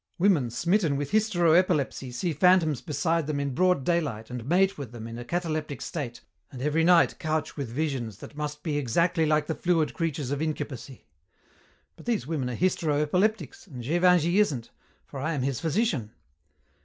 Women smitten with hystero epilepsy see phantoms beside them in broad daylight and mate with them in a cataleptic state, and every night couch with visions that must be exactly like the fluid creatures of incubacy. But these women are hystero epileptics, and Gévingey isn't, for I am his physician.